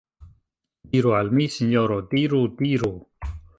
Diru al mi, sinjoro, diru, diru!